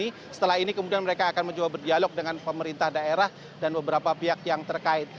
yang pertama adalah mereka mengatakan bahwa mereka akan mencoba berdialog dengan pemerintah daerah dan beberapa pihak yang terkait